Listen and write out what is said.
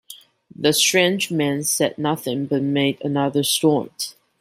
The strange man said nothing but made another snort.